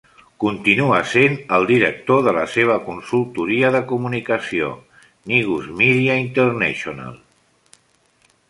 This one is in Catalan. Continua sent el director de la seva consultoria de comunicació, Negus Media International.